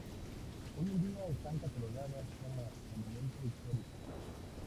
Hoy en día están catalogadas como monumento histórico.